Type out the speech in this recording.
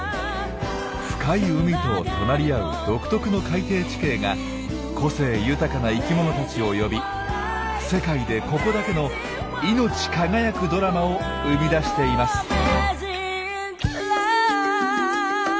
深い海と隣り合う独特の海底地形が個性豊かな生きものたちを呼び世界でここだけの命輝くドラマを生み出しています。